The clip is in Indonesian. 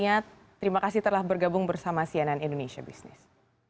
dan ingat terima kasih telah bergabung bersama sianan indonesia business